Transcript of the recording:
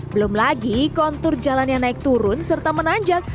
belum lagi kontur jalan yang naik turun serta menanjak